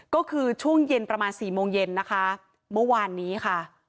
ก็คือช่วงเย็นประมาณสี่โมงเย็นนะคะเมื่อวานนี้ค่ะ